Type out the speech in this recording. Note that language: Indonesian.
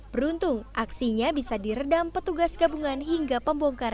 beruntung aksinya bisa diredam petugas gabungan hingga pembongkaran